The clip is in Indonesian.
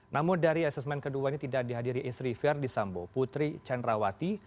namun dari asesmen kedua ini tidak dihadiri istri verdi sambo putri cenrawati